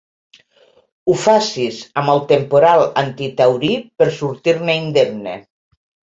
Ho facis amb el temporal antitaurí per sortir-ne indemne.